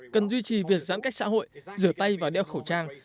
cần duy trì việc giãn cách xã hội rửa tay và đeo khẩu trang